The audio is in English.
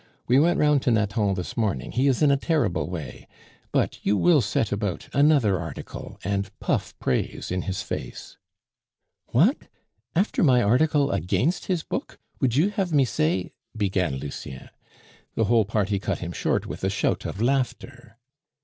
We went round to Nathan this morning; he is in a terrible way. But you will set about another article, and puff praise in his face." "What! After my article against his book, would you have me say " began Lucien. The whole party cut him short with a shout of laughter.